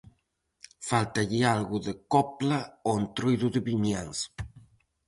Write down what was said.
Fáltalle algo de copla ao Entroido de Vimianzo.